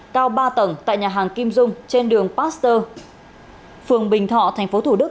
cao ba tầng tại nhà hàng kim dung trên đường pasteur phường bình thọ thành phố thủ đức